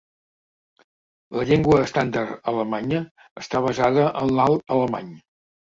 La llengua estàndard alemanya està basada en l'alt alemany.